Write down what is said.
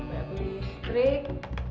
saya beli listrik